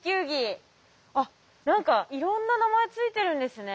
あっ何かいろんな名前付いてるんですね。